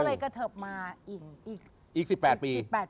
ก็เลยกระเทิบมาอีก๑๘ปี